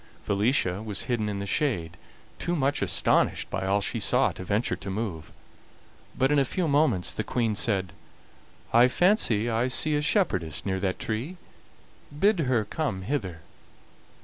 Felicia was hidden in the shade, too much astonished by all she saw to venture to move; but in a few moments the Queen said: "I fancy I see a shepherdess near that tree; bid her come hither."